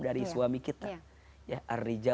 dari suami kita